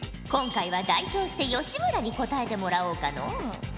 今回は代表して吉村に答えてもらおうかのう。